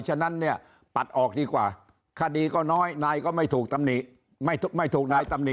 ฉะนั้นเนี่ยปัดออกดีกว่าคดีก็น้อยนายก็ไม่ถูกตำหนิไม่ถูกนายตำหนิ